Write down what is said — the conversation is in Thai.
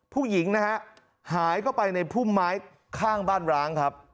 ผู้หญิงนะฮะหายเข้าไปในพุ่มไม้ข้างบ้านร้างครับ